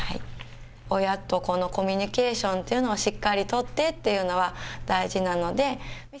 親と子のコミュニケーションというのをしっかり取ってというのは大事なので。